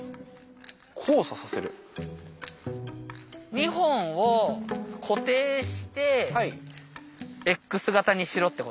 ２本を固定してＸ形にしろってことだよね。